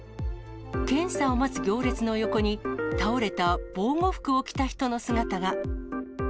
検査を待つ行列の横に、倒れた防護服を着た人の姿が。